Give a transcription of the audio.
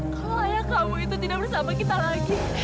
kalau ayah kamu itu tidak bersama kita lagi